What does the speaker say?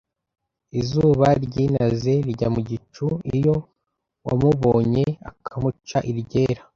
Izuba ryinaze rijya mu gicu Iyo wamubonye ukamuca iryera